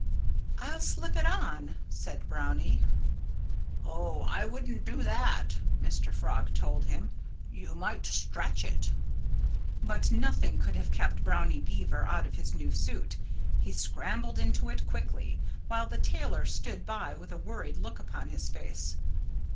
"I'll slip it on," said Brownie. "Oh! I wouldn't do that!" Mr. Frog told him. "You might stretch it." But nothing could have kept Brownie Beaver out of his new suit. He scrambled into it quickly, while the tailor stood by with a worried look upon his face.